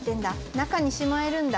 中にしまえるんだ。